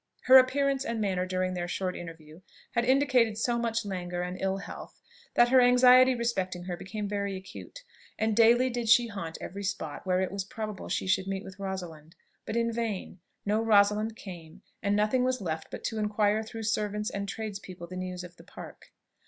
Her appearance and manner during their short interview had indicated so much languor and ill health, that her anxiety respecting her became very acute, and daily did she haunt every spot where it was probable she should meet with Rosalind, but in vain no Rosalind came, and nothing was left but to inquire through servants and tradespeople the news of the Park.